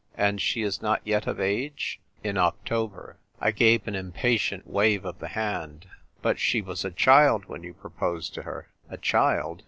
" And she is not yet of age ?"" In October." I gave an impatient wave of the h md. " But she was a child when you proposed to her !" "A child?